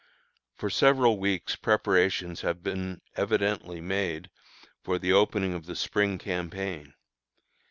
For several weeks preparations have been evidently made for the opening of the Spring campaign.